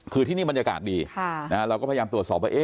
คือที่นี่บรรยากาศดีเราก็พยายามตรวจสอบว่า